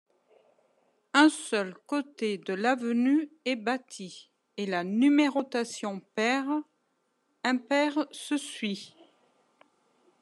Un seul côté de l'avenue est bâti et la numérotation paire, impaire se suit.